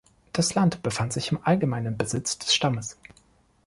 Das Land befand sich im allgemeinen Besitz des Stammes.